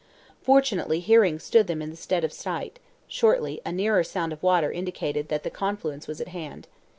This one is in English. Fortunately hearing stood them in the stead of sight; shortly a nearer sound of water indicated that the confluence was at hand.